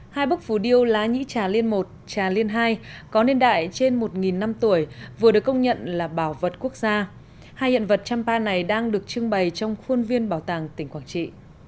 hai bốc phủ điêu lá nhĩ trà liên một trà liên hai có nền đại trên một năm tuổi vừa được công nhận là bảo vật quốc gia hai hiện vật trăm ba này đang được trưng bày trong khuôn viên bảo tàng tỉnh quảng trị